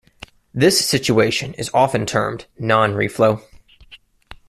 This situation is often termed non-reflow.